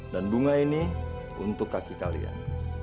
dan bunga ini untuk kaki kalian